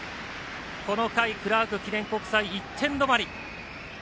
この回、クラーク記念国際１点止まり。